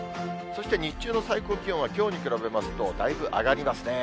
そして日中の最高気温はきょうに比べますとだいぶ上がりますね。